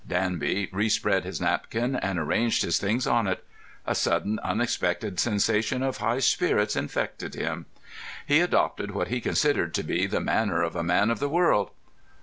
Danby respread his napkin and arranged his things on it. A sudden unexpected sensation of high spirits infected him. He adopted what he considered to be the manner of a man of the world.